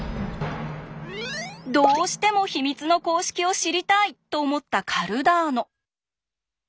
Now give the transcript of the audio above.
「どうしても秘密の公式を知りたい！」と思ったカルダーノ。